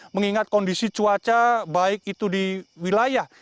mengingat kondisi cuaca baik itu di wilayah